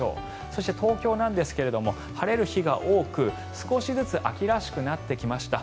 そして東京なんですが晴れる日が多く少しずつ秋らしくなってきました。